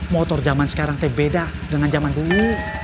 motor jaman sekarang beda dengan jaman dulu